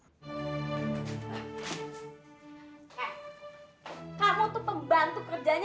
kamu tuh pembantu kerjanya